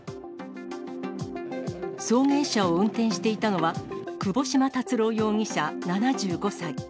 送迎車を運転していたのは、窪島達郎容疑者７５歳。